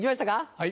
はい。